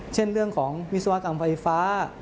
เช่นเรื่องของวิศวกรรมไฟฟ้า